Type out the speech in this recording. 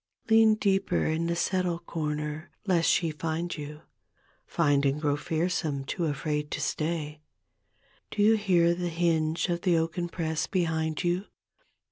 Lean deeper in the settle comer lest she lind you— Find and grow fearsome, too afraid to stay : Do you hear the hinge of the oaken press behind you?